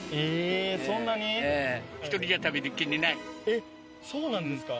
えっそうなんですか？